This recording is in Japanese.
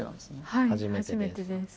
はい初めてです。